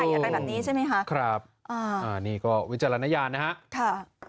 อะไรแบบนี้ใช่ไหมคะครับอ่าอ่านี่ก็วิจารณญาณนะฮะค่ะ